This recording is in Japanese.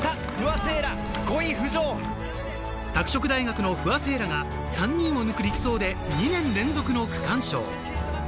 拓殖大学の不破聖衣来が３人を抜く力走で、２年連続の区間賞。